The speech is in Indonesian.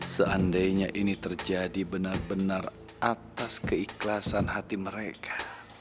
seandainya ini terjadi benar benar atas keikhlasan hati mereka